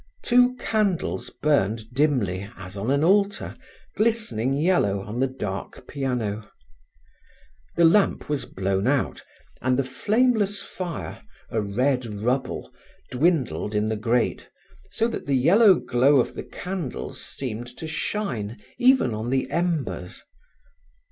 Two candles burned dimly as on an altar, glistening yellow on the dark piano. The lamp was blown out, and the flameless fire, a red rubble, dwindled in the grate, so that the yellow glow of the candles seemed to shine even on the embers.